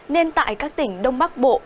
nên tại các tỉnh đông bắc bộ